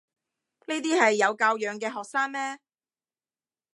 呢啲係有教養嘅學生咩？